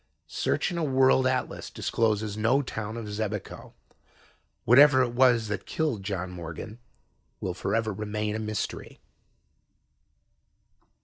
Search in a world atlas discloses no town of Xebico. Whatever it was that killed John Morgan will forever remain a mystery.